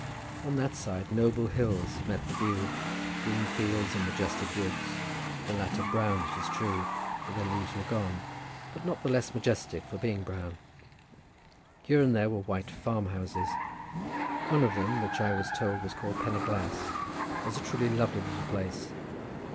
On that side noble mountains met the view, green fields and majestic woods, the latter brown it is true, for their leaves were gone, but not the less majestic for being brown. Here and there were white farm houses: one of them, which I was told was called Pen y Glas, was a truly lovely little place.